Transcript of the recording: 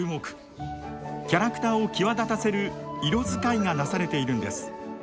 キャラクターを際立たせる色使いがなされているんです。